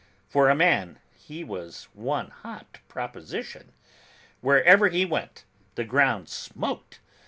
For a man, he was one hot proposition! Wherever he went, the ground smoked!